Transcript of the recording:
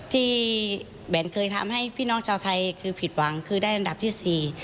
แบนเคยทำให้พี่น้องชาวไทยคือผิดหวังคือได้อันดับที่สี่